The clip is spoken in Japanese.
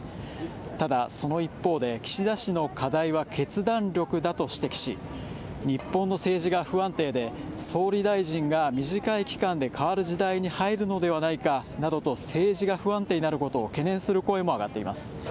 ただその一方で、岸田氏の課題は決断力だと指摘し、日本の政治が不安定で総理大臣が短い期間で変わる時代に入るのではないかなどと政治が不安定になる懸念する声もあがっています。